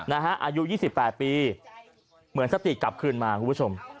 อายุ๒๘ปีเหมือนสติกลับคืนมาคุณผู้ชม